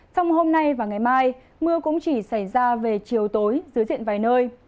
trong hôm nay và ngày mai mưa cũng chỉ xảy ra về chiều tối dưới diện vài nơi